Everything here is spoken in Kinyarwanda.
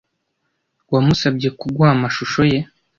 Wamusabye kuguha amashusho ye?